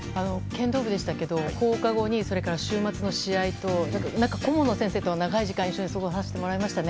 剣道部でしたけど放課後や週末の試合と顧問の先生と長い時間一緒に過ごさせていただきました。